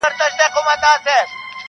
زه کتاب یم د دردونو پښتانه له لوسته ځغلي-